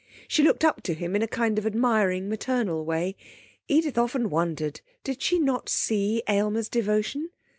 She looked up to him, in a kind of admiring maternal way; Edith often wondered, did she not see Aylmer's devotion?